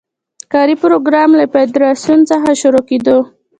کاري پروګرام له فدراسیون څخه شروع کېدو.